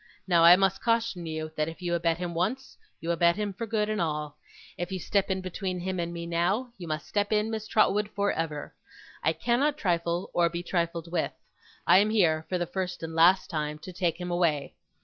Now I must caution you that if you abet him once, you abet him for good and all; if you step in between him and me, now, you must step in, Miss Trotwood, for ever. I cannot trifle, or be trifled with. I am here, for the first and last time, to take him away.